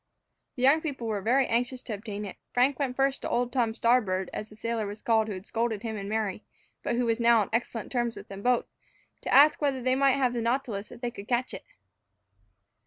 The young people were very anxious to obtain it. Frank went first to old Tom Starboard (as the sailor was called who had scolded him and Mary, but who was now on excellent terms with both) to ask whether they might have the nautilus if they could catch it.